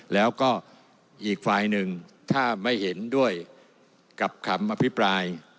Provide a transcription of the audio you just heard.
แล้วก็อีกฝ่ายหนึ่งถ้าไม่เห็นด้วยกับคำอภิปราย